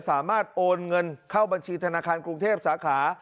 โอนเงินเข้าบัญชีธนาคารกรุงเทพสาขา